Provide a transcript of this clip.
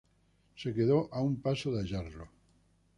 Se quedó a un paso de hallarlo.